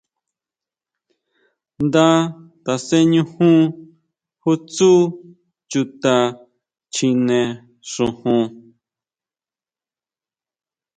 Nda taseñujun ju tsú chuta chjine xojon.